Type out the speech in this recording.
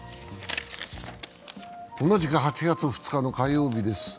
同じく８月２日の火曜日です。